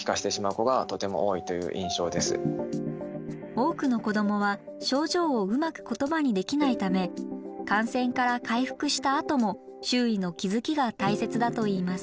多くの子どもは症状をうまく言葉にできないため感染から回復したあとも周囲の気づきが大切だといいます。